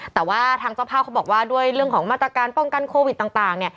แต่ว่าทางเจ้าภาพเขาบอกว่าด้วยเรื่องของมาตรการป้องกันโควิดต่าง